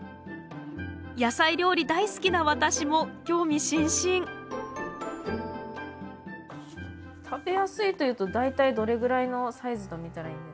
野菜料理大好きな私も興味津々食べやすいというと大体どれぐらいのサイズと見たらいいんですか？